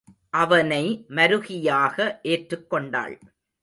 அவனை மருகியாக ஏற்றுக் கொண்டாள்.